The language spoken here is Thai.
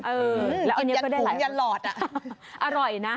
อือแล้วอันนี้ก็ได้หลายอร่อยนะ